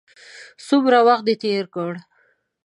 څومره وخت دې تېر کړ.